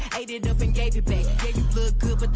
ใครถ่ายอ่ะอยากรู้อ่ะ